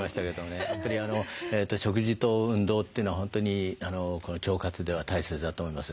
食事と運動というのは本当に腸活では大切だと思います。